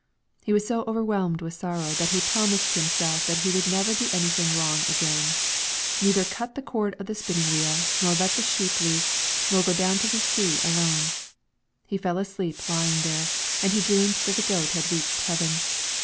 He was so overwhelmed with sorrow that he promised himself that he would never do anything wrong again, neither cut the cord of the spinning wheel, nor let the sheep loose, nor go down to the sea alone. He fell asleep lying there, and he dreamed that the goat had reached heaven.